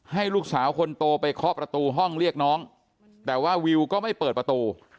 ให้ลูกสาวคนโตไปเคาะประตูห้องเรียกน้องแต่ว่าวิวก็ไม่เปิดประตู